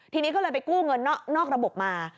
ทีนี้ก็เลยไปกู้เงินนอกระบบมา